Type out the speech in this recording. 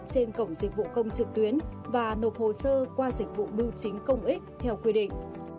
trên cổng dịch vụ công trực tuyến và nộp hồ sơ qua dịch vụ bưu chính công ích theo quy định